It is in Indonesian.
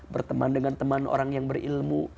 berteman dengan teman orang yang berilmu